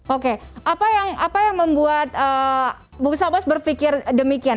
oke apa yang membuat bung sabas berpikir demikian